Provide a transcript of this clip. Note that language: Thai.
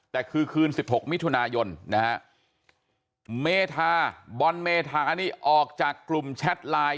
แต่คือคืน๑๖มิถุนายนนะฮะเมธาบอลเมธานี่ออกจากกลุ่มแชทไลน์